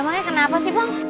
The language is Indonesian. emangnya kenapa sih bang